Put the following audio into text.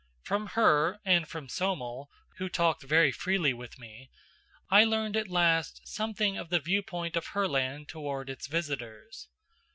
From her, and from Somel, who talked very freely with me, I learned at last something of the viewpoint of Herland toward its visitors.